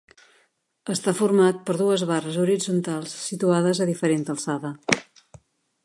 Està format per dues barres horitzontals situades a diferent alçada.